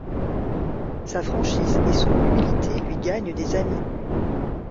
Sa franchise et son humilité lui gagnent des amis.